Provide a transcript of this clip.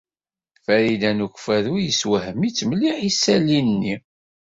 Farida n Ukeffadu yessewhem-itt mliḥ yisali-nni.